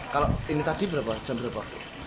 kalau ini tadi berapa jam berapa